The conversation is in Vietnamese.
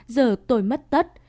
giờ tôi mất tất